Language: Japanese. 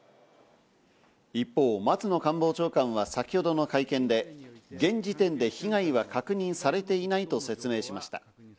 一方、松野官房長官は先ほどの会見で、現時点で被害は確認されていないと説明しました。